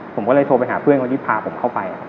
ผมก็เลยโทรไปหาเพื่อนนี้พาผมเข้าไป